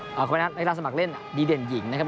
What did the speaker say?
ออกไปนะครับนักกีฬาสมัครเล่นดีเด่นหญิงนะครับ